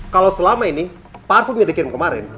kalau selama ini parfumnya dikirim kemarin